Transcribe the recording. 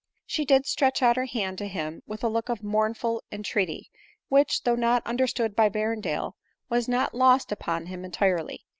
She did stretch out her hand to him with a look of mournful entreaty, which, though not understood by Ber rendale, was not lost upon hkn entirely.